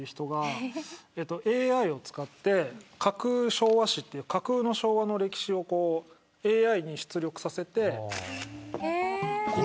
ＡＩを使って架空昭和史という架空の昭和の歴史をＡＩに出力させている。